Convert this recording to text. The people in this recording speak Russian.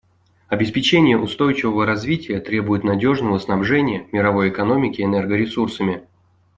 Обеспечение устойчивого развития требует надежного снабжения мировой экономики энергоресурсами.